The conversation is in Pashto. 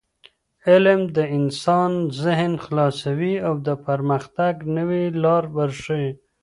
علم د انسان ذهن خلاصوي او د پرمختګ نوې لارې ورښيي.